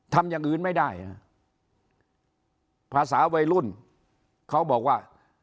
ทำอย่างอื่นไม่ได้นะภาษาวัยรุ่นเขาบอกว่า